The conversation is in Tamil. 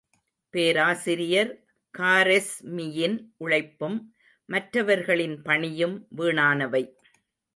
பேராசிரியர் காரெஸ்மியின் உழைப்பும், மற்றவர்களின் பணியும் வீணானவை.